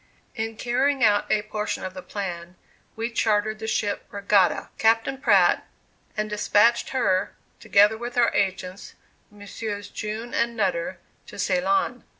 In carrying out a portion of the plan, we chartered the ship "Regatta," Captain Pratt, and despatched her, together with our agents, Messrs. June and Nutter, to Ceylon.